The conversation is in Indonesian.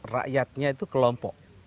rakyatnya itu kelompok